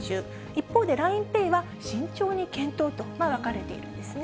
一方でＬＩＮＥＰａｙは慎重に検討と分かれているんですね。